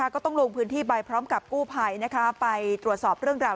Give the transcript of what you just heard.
ก็ต้องลงพื้นที่ไปพร้อมกับกู้ภัยไปตรวจสอบเรื่องราว